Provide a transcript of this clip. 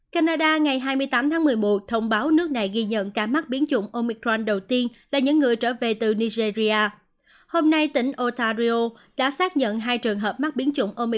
canada ngày hai mươi tám tháng một mươi một thông báo nước này ghi nhận cá mắc biến chủng omicron đầu tiên